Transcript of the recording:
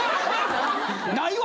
「ないわ」